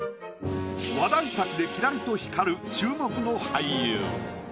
話題作できらりと光る注目の俳優。